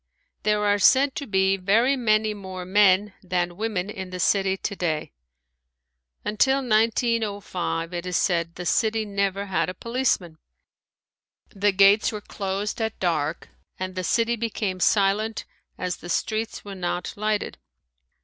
There are said to be very many more men than women in the city today. Until 1905, it is said, the city never had a policeman. The gates were closed at dark and the city became silent as the streets were not lighted.